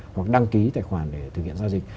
hoặc đăng ký tài khoản để thực hiện giao dịch